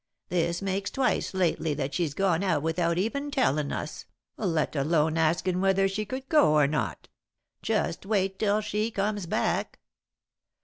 This makes twice lately that she's gone out without even tellin' us, let alone askin' whether she could go or not. Just wait till she comes back."